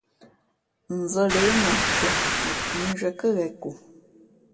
Nzα̌ lě, nam tʉ̄ᾱ, mα pʉ̌nzhwíé kάghěn ko.